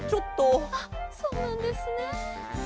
あっそうなんですね。